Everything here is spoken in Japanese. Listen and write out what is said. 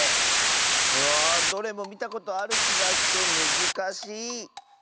うわどれもみたことあるきがしてむずかし。